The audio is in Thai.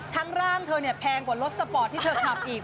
ร่างเธอเนี่ยแพงกว่ารถสปอร์ตที่เธอขับอีก